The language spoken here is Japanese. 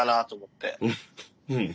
うん。